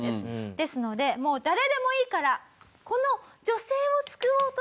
ですのでもう誰でもいいからこの。